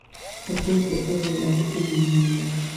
په کور کې صبر د هر څه نه مهم دی.